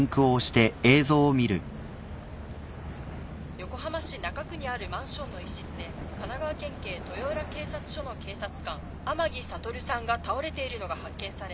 横浜市中区にあるマンションの一室で神奈川県警豊浦警察署の警察官天樹悟さんが倒れているのが発見されその後。